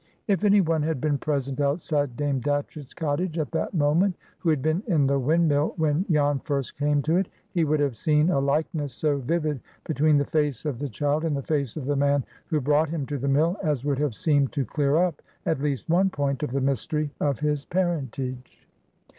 If any one had been present outside Dame Datchett's cottage at that moment who had been in the windmill when Jan first came to it, he would have seen a likeness so vivid between the face of the child and the face of the man who brought him to the mill as would have seemed to clear up at least one point of the mystery of his parentage.